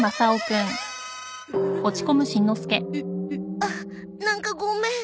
あっなんかごめん。